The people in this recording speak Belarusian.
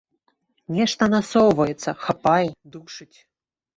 Нешта насоўваецца, хапае, душыць.